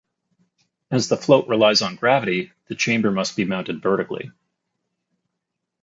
As the float relies on gravity, the chamber must be mounted vertically.